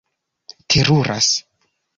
teruras